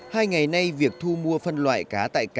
hai ngày nay việc thu mua phân loại cá tại cảng cửa